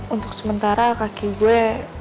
untuk sementara kaki gue